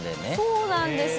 そうなんですよ。